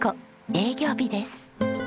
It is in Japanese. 営業日です。